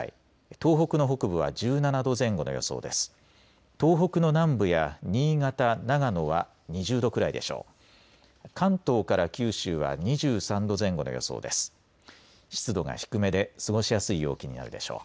東北の南部や新潟、長野は２０度くらいでしょう。